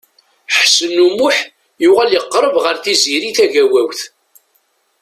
Ḥsen U Muḥ yuɣal yeqreb ɣer Tiziri Tagawawt.